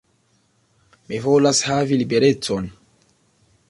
Mi volas havi liberecon.